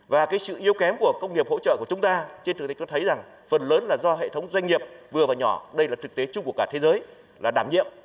và sự yếu kém của công nghiệp hỗ trợ của chúng ta trên thực tế chúng ta thấy rằng phần lớn là do hệ thống doanh nghiệp vừa và nhỏ đây là thực tế chung của cả thế giới là đảm nhiệm